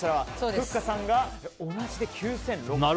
ふっかさんが同じで９６００円。